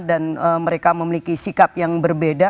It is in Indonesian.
dan mereka memiliki sikap yang berbeda